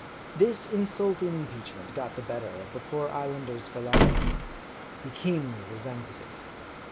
This insulting impeachment got the better of the poor islander's philosophy. He keenly resented it.